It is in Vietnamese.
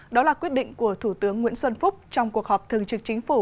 đó là quyết định của thủ tướng nguyễn xuân phúc trong cuộc họp thường trực chính phủ